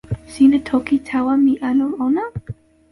sina toki tawa mi anu ona?